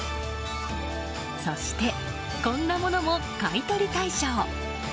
そしてこんなものも買い取り対象。